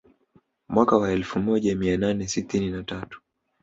Mwaka wa elfu moja mia nane sitini na tatu